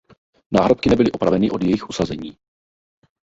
Náhrobky nebyly opraveny od jejich usazení.